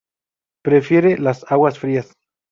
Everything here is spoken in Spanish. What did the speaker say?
Prefiere las aguas frías.